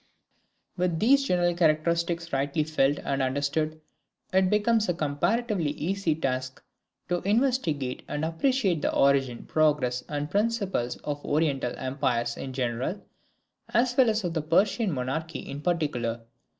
With these general characteristics rightly felt and understood, it becomes a comparatively easy task to investigate and appreciate the origin, progress, and principles of Oriental empires in general, as well as of the Persian monarchy in particular.